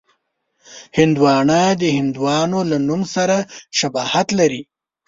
هندوانه د هندوانو له نوم سره شباهت لري.